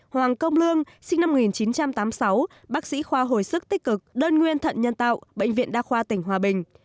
hoàng công lương sinh năm một nghìn chín trăm tám mươi sáu bác sĩ khoa hồi sức tích cực đơn nguyên thận nhân tạo bệnh viện đa khoa tỉnh hòa bình